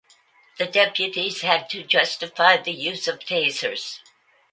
The deputies had to justify the use of Tasers.